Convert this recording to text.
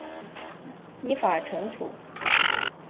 依法惩处